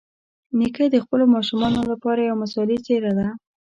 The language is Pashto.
نیکه د خپلو ماشومانو لپاره یوه مثالي څېره ده.